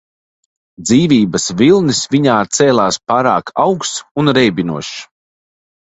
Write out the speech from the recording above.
Dzīvības vilnis viņā cēlās pārāk augsts un reibinošs.